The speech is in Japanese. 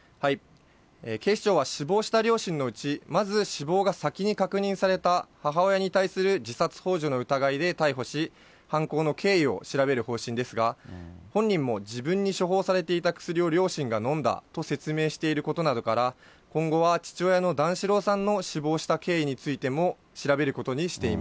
警視庁は死亡した両親のうち、まず死亡が先に確認された母親に対する自殺ほう助の疑いで逮捕し、犯行の経緯を調べる方針ですが、本人も自分に処方されていた薬を両親が飲んだと説明していることなどから、今後は父親の段四郎さんの死亡した経緯についても調べることにし